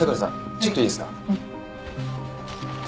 ちょっといいですか？